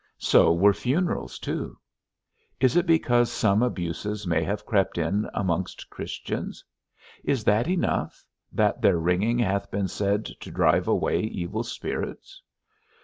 so were funerals too. Is it because some abuses may have crept in amongst Christians? Is that enough, that their ringing hath been said to drive away evil spirits?